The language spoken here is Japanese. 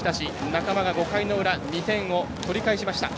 仲間が５回の裏、２点を取り返しました。